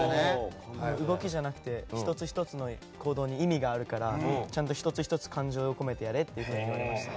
動きじゃなくて１つ１つの行動に意味があるからちゃんと１つ１つ感情を込めてと言われました。